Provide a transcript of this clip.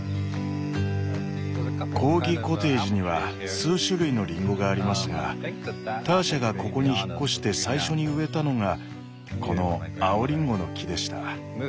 コーギコテージには数種類のリンゴがありますがターシャがここに引っ越して最初に植えたのがこの青リンゴの木でした。